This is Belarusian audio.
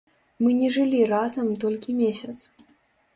Мы не жылі разам толькі месяц.